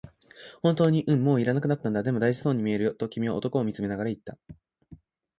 「本当に？」、「うん、もう要らなくなったんだ」、「でも、大事そうに見えるよ」と君は男を見つめながら言った。